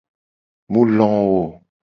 Mu lo wo.